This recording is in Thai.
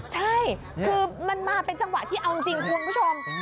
ใช่คือมันมาเป็นจังหวะที่เอาจริงคุณผู้ชม